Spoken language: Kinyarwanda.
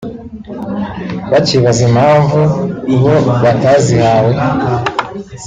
bakibaza impamvu bo batazihawe